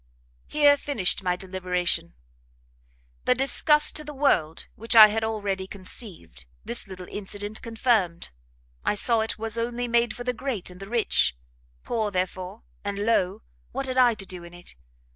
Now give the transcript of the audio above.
"Here finished my deliberation; the disgust to the world which I had already conceived, this little incident confirmed; I saw it was only made for the great and the rich; poor, therefore, and low, what had I to do in it?